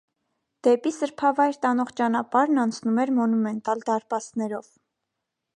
Դեպի սրբավայր տանող ճանապարհն անցնում էր մոնումենտալ դարպասներով։